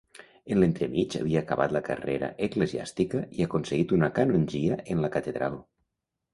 En l'entremig havia acabat la carrera eclesiàstica i aconseguit una canongia en la catedral.